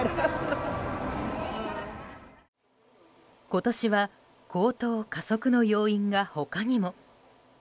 今年は高騰加速の要因が他にも。